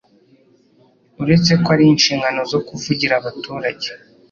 uretse ko ari inshingano zo kuvugira abaturage